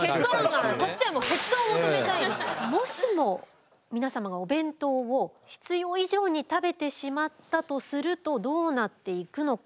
こっちはもしも皆様がお弁当を必要以上に食べてしまったとするとどうなっていくのか。